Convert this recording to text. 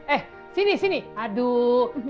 eh sini sini aduh